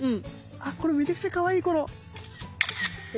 あっこれめちゃくちゃかわいいこの。